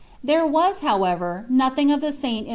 There was, hnwever, nothing of the saint ii